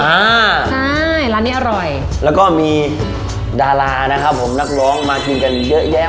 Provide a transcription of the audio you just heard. อ่าใช่ร้านนี้อร่อยแล้วก็มีดารานะครับผมนักร้องมากินกันเยอะแยะ